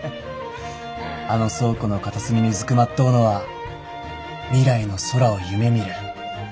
あの倉庫の片隅にうずくまっとうのは未来の空を夢みる翼とよ。